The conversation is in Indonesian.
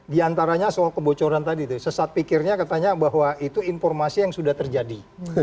di antaranya soal kebocoran tadi itu sesat pikirnya katanya bahwa itu informasi yang sudah terjadi